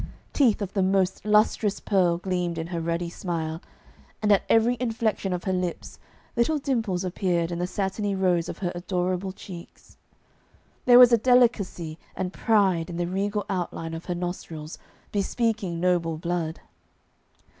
Teeth of the most lustrous pearl gleamed in her ruddy smile, and at every inflection of her lips little dimples appeared in the satiny rose of her adorable cheeks. There was a delicacy and pride in the regal outline of her nostrils bespeaking noble blood.